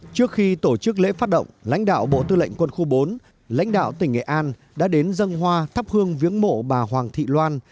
trước khi tổ chức lễ phát động lãnh đạo bộ tư lệnh quân khu bốn lãnh đạo tỉnh nghệ an đã đến dân hoa thắp hương viếng mộ bà hoàng thị loan